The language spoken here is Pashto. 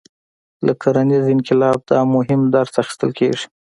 له کرنیز انقلاب دا مهم درس اخیستل کېږي.